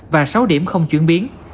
và sáu điểm không chuyển biến